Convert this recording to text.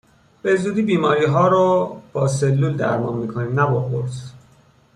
به زودی بیماریها رو با سلول درمان میکنیم، نه با قرص!